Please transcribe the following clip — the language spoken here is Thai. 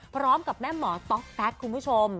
พร้อมกับแม่หมอต๊อกแต๊กคุณผู้ชม